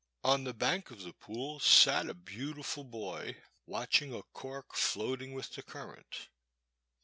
On the bank of the pool sat a beautiful boy watching a cork floating with the current.